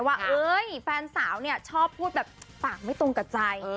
ว่าแฟนสาวเนี่ยชอบพูดแบบปากไม่ตรงกับใจ